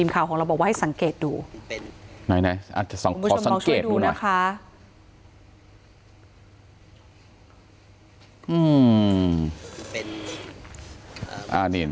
มันรอยได้เหรอ